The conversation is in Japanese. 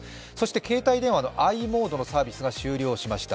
携帯電話のｉモードのサービスが終了しました。